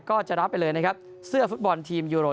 ก็จะรับไปเลยนะครับเสื้อฟุตบอลทีมยูโร